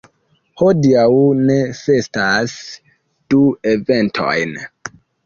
Hodiaŭ ni festas du eventojn.